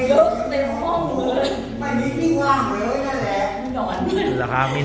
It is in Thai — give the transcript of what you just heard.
มีหนอนด้วยเหมือนมันกล่องข้าวไหมพี่กล่องข้าวอะไรอย่างเนี้ย